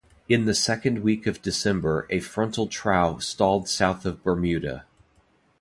In the second week of December, a frontal trough stalled south of Bermuda.